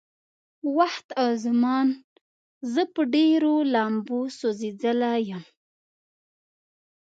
وخت او زمان زه په ډېرو لمبو سوځولی يم.